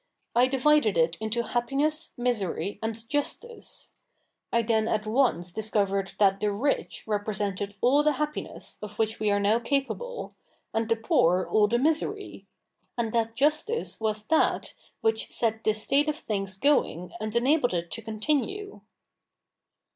I divided it into happiness, misery, and justice. I then at once discovered that the rich repre sented all the happiness of wiiich w^e are now capable, and the poor all the misery : and that justice was that which set this state of things going and enabled it to continue.'